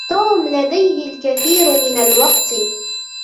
توم لديهِ الكثير من الوقت.